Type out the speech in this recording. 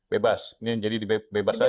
bebas ini jadi dibebas saja